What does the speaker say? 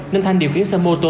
nên thanh điều khiến xe mô tô